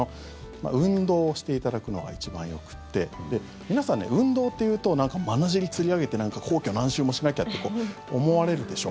運動をしていただくのが一番よくて皆さん、運動というとなんか、まなじりつり上げて皇居何周もしなきゃって思われるでしょ。